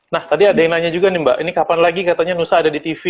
nah tadi ada yang nanya juga nih mbak ini kapan lagi katanya nusa ada di tv